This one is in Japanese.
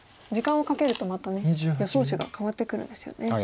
時間をかけるとまた予想手が変わってくるんですよね。